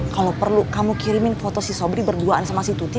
kalau perlu kamu kirimin foto si sobri berduaan sama si tuti